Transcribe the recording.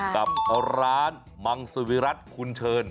กับร้านมังสุวิรัติคุณเชิญ